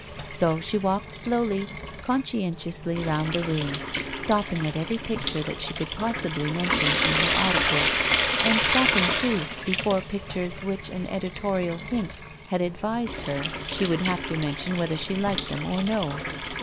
So she walked slowly, conscientiously round the room, stopping at every picture that she could possibly mention in her article, and stopping, too, before pictures which she THE APOTHEOSIS OF PEBBY JACKSON 177 i v would have to mention whether she liked them or no.